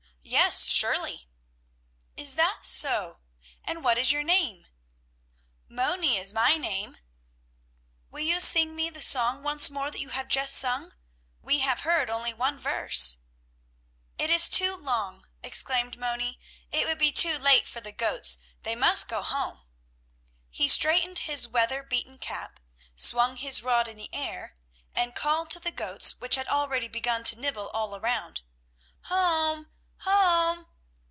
"Yes, surely." "Is that so? and what is your name?" "Moni is my name " "Will you sing me the song once more, that you have just sung? We heard only one verse." "It is too long," explained Moni; "it would be too late for the goats, they must go home." He straightened his weather beaten cap, swung his rod in the air, and called to the goats which had already begun to nibble all around: "Home! Home!"